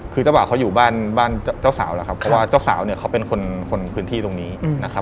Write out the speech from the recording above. คือเจ้าบ่าวเขาอยู่บ้านเจ้าสาวเพราะว่าเจ้าสาวเขาเป็นคนพื้นที่ตรงนี้